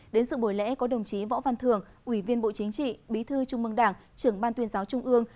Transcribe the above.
đến sự buổi lễ có đồng chí võ văn thường ủy viên bộ chính trị bí thư trung mương đảng trưởng ban tuyên giáo trung ương